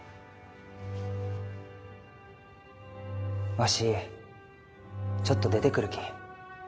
わしちょっと出てくるき。